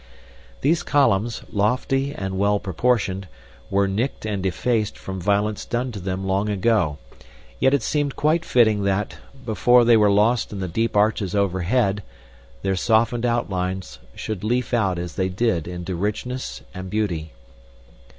These columns, lofty and well proportioned, were nicked and defaced from violence done to them long ago; yet it seemed quite fitting that, before they were lost in the deep arches overhead, their softened outlines should leaf out as they did into richness and beauty.